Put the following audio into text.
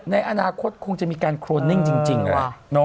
ในอนาคตคงจะมีการโครนนิ่งจริงว่ะ